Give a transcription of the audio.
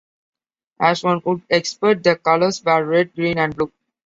As one would expect, the colors were red, green, and blue.